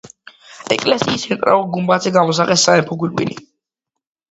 ეკლესიის ცენტრალურ გუმბათზე გამოსახეს სამეფო გვირგვინი.